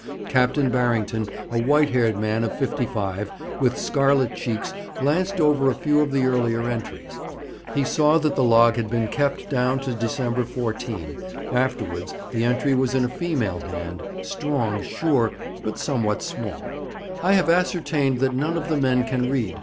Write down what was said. Captain Barrington, a white haired man of fifty five, with scarlet cheeks, glanced over a few of the earlier entries. He saw that the log had been kept down to December 14, afterwards the entry was in a female hand, strong, sure, but somewhat small: 'I have ascertained that none of the men can read.